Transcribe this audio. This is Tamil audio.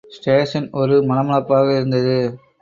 ஸ்டேஷன் ஒரு மள மளப்பாக இருந்தது.